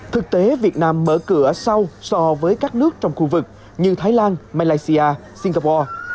thực tế việt nam mở cửa sau so với các nước trong khu vực như thái lan malaysia singapore